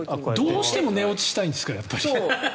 どうしても寝落ちしたいんですか？